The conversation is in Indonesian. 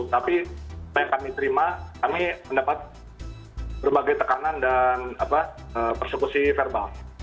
tapi apa yang kami terima kami mendapat berbagai tekanan dan persekusi verbal